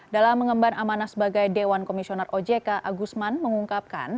dalam mengemban amanah sebagai dewan komisioner ojk agusman mengungkapkan